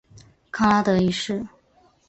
康拉德一世。